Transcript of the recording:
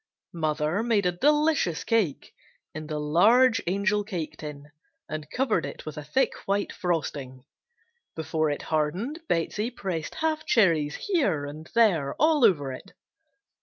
Mother made a delicious cake in the large angel cake tin and covered it with a thick white frosting; before it hardened Betsey pressed half cherries here and there all over it.